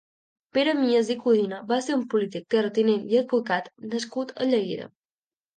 Pere Mias i Codina va ser un polític, terratinent i advocat nascut a Lleida.